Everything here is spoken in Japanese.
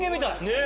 ねえ。